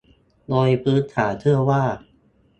โดยพื้นฐานเชื่อว่า